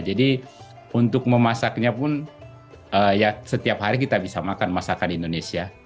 jadi untuk memasaknya pun ya setiap hari kita bisa makan masakan indonesia